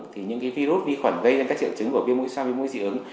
thì những virus vi khuẩn gây ra các triệu chứng của viêm mũi soan viêm mũi dị ứng